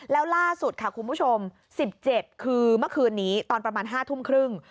แล้วล่าสุดค่ะคุณผู้ชม๑๗คือเมื่อคืนนี้ตอนประมาณ๕ทุ่มครึ่ง